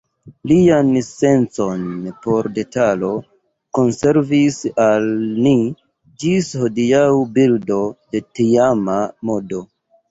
Lian sencon por detalo konservis al ni ĝis hodiaŭ bildo de tiama modo.